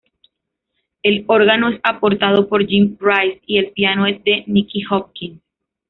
El órgano es aportado por Jim Price y el piano es de Nicky Hopkins.